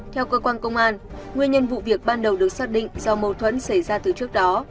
theo cơ quan công an nguyên nhân vụ việc ban đầu được xác định do mâu thuẫn xảy ra từ trước đó